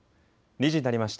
２時になりました。